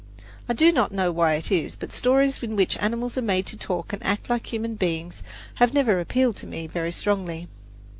I do not know why it is, but stories in which animals are made to talk and act like human beings have never appealed to me very strongly.